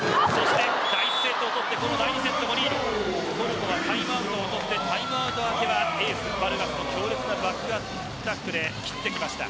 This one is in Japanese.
第１セットを取って第２セットもリードトルコがタイムアウトを取ってタイムアウト明けはエース、バルガスの強烈なバックアタックで切ってきました。